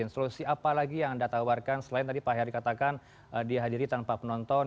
solusi apa lagi yang anda tawarkan selain tadi pak heri katakan dihadiri tanpa penonton